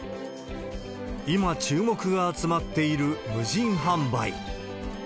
今注目が集まっている無人販売。